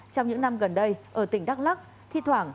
trong những năm gần đây ở tỉnh đắk lắc thi thoảng